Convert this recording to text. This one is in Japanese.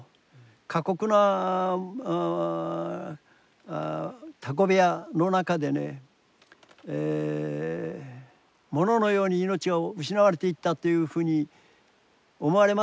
過酷なタコ部屋の中でね物のように命が失われていったというふうに思われますね。